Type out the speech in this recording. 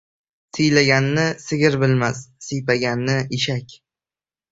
• Siylaganni sigir bilmas, siypaganni — eshak.